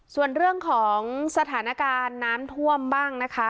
ส่วนเรื่องของสถานการณ์น้ำท่วมบ้างนะคะ